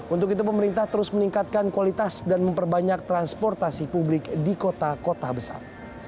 untuk itu pemerintah terus meningkatkan kualitas dan memperbanyak transportasi publik di kota kota besar